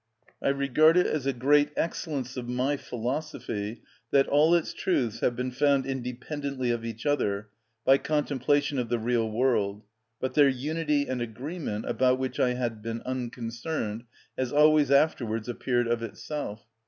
I regard it as a great excellence of my philosophy that all its truths have been found independently of each other, by contemplation of the real world; but their unity and agreement, about which I had been unconcerned, has always afterwards appeared of itself.